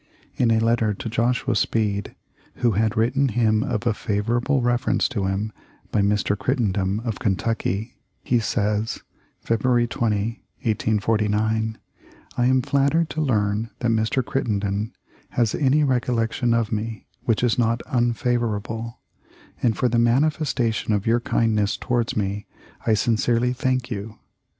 In a letter to Joshua Speed, who had written him of a favorable reference to him by Mr. Crittenden, of Kentucky,* he says, February 20, 1849, "I am flattered to learn that Mr. Crittenden has any recol lection of me which is not unfavorable ; and for the manifestation of your kindness towards me I sin cerely thank you.